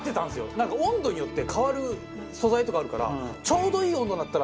なんか温度によって変わる素材とかあるから。